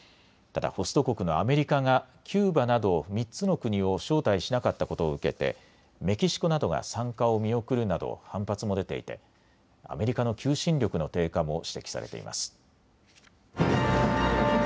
ただホスト国のアメリカがキューバなど３つの国を招待しなかったことを受けてメキシコなどが参加を見送るなど反発も出ていてアメリカの求心力の低下も指摘されています。